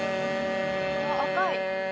赤い。